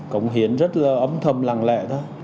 công hiến rất là ấm thầm lặng lẽ